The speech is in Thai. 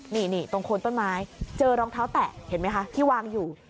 นี่ตรงโคนต้นไม้เจอรองเท้าแตะเห็นไหมคะที่วางอยู่